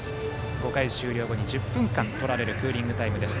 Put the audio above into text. ５回終了後に１０分間取られるクーリングタイムです。